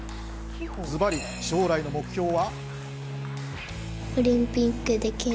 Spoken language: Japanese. ずばり将来の目標は？